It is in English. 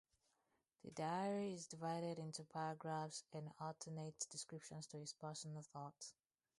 The diary is divided into paragraphs and alternates descriptions to his personal thoughts.